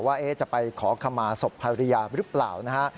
ว่าจะไปขอขมาศพภรรยาหรือเปล่านะฮะ